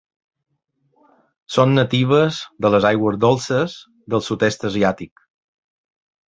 Són natives de les aigües dolces del sud-est asiàtic.